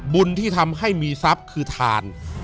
บุญที่ทำให้มีทรัพย์คือทาน